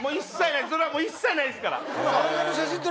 それはもう一切ないですから。